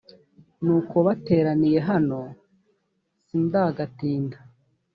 nuko bateraniye hano sindagatinda